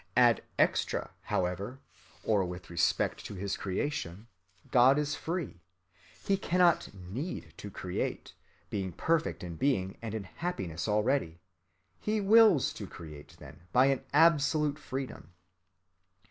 Ad extra, however, or with respect to his creation, God is free. He cannot need to create, being perfect in being and in happiness already. He wills to create, then, by an absolute freedom.